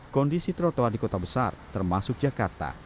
kondisi trotoar di kota besar termasuk jakarta